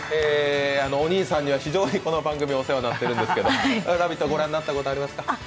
お兄さんには非常にこの番組お世話になってるんですけど「ラヴィット！」は御覧になったことありますか？